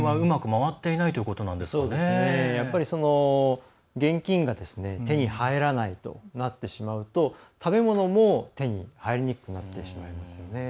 やっぱり、現金が手に入らないとなってしまうと食べ物も、手に入りにくくなってしまいますよね。